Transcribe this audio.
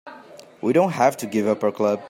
We don't have to give up our club.